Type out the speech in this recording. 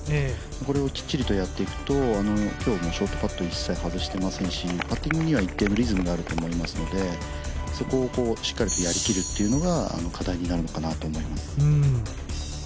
これをきっちりとやっていくと今日もショートカット、一切外していませんしパッティングには一定のリズムがあると思うのでそこをしっかりとやりきるというのが、課題になるのかなと思います